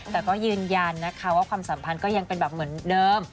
แต่ก็ยืนยันนะคะว่าความสัมพันธ์ก็ยังเป็นแบบเหมือนเดิม